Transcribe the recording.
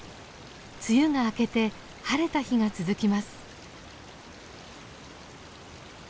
梅雨が明けて晴れた日が続きます。